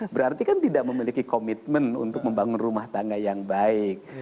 berarti kan tidak memiliki komitmen untuk membangun rumah tangga yang baik